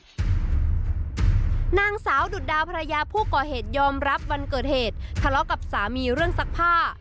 นางสาวดุดดาภรรยาผู้ก่อเหตุยอมรับวันเกิดเหตุทะเลาะกับสามีเรื่องซักผ้า